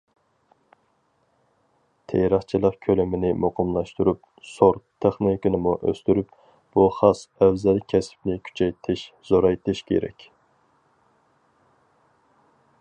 تېرىقچىلىق كۆلىمىنى مۇقىملاشتۇرۇپ، سورت، تېخنىكىنىمۇ ئۆستۈرۈپ، بۇ خاس، ئەۋزەل كەسىپنى كۈچەيتىش، زورايتىش كېرەك.